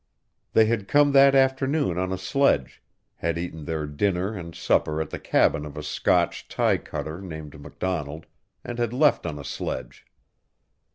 They had come that forenoon on a sledge, had eaten their dinner and supper at the cabin of a Scotch tie cutter named MacDonald, and had left on a sledge.